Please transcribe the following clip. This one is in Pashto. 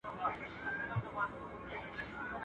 o خوله په غاښو ښايسته وي.